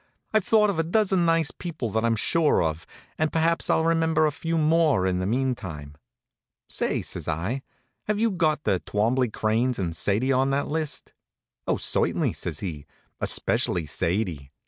"I've thought of a dozen nice people that I'm sure of, and perhaps I'll remember a few more in the mean time." "Say," says I, "have you got the Twombley Cranes and Sadie on that list?" "Oh, certainly," says he, "especially Sadie."